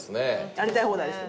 やりたい放題です。